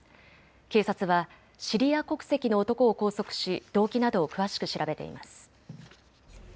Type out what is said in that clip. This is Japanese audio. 警察はシリア国籍の男を拘束し動機などを詳しく調べています。